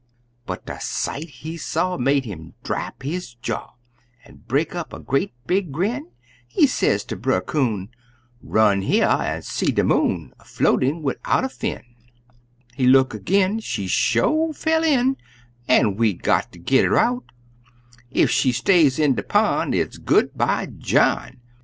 But de sight dat he saw made 'im drap his jaw, An' break up a great big grin! He sez ter Brer Coon, "Run here an' see de Moon! A floatin' widout a fin!" He look ag'in "She sho fell in, An' we got ter git her out; Ef she stays in de pon', it's 'good bye, John!'